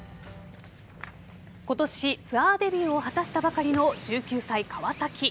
今年、ツアーデビューを果たしたばかりの１９歳、川崎。